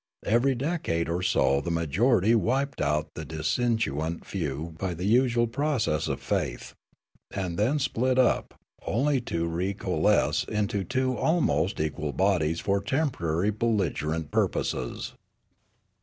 Every decade or so the majority wiped out the dissentient few by the usual process of faith, and then split up, only to re co alesce into two almost equal bodies for temporary bel ligerent purposes.